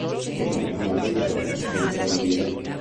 E noi non vogliamo scomparire!